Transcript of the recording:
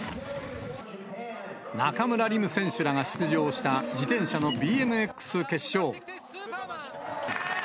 中村輪夢選手らが出場した自転車のＢＭＸ決勝。